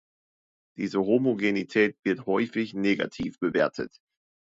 Diese Homogenität wird häufig negativ bewertet.